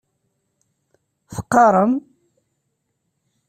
Teqqaṛem?